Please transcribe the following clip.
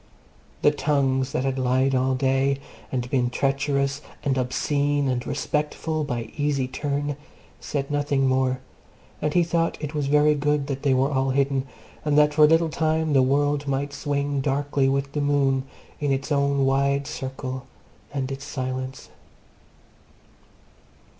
The tongues that had lied all day, and been treacherous and obscene and respectful by easy turn, said nothing more; and he thought it was very good that they were all hidden, and that for a little time the world might swing darkly with the moon in its own wide circle and its silence.